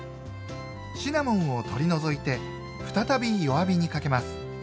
シナモンを取り除いて再び弱火にかけます。